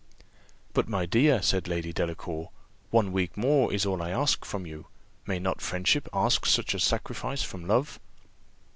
"But, my dear," said Lady Delacour, "one week more is all I ask from you may not friendship ask such a sacrifice from love?"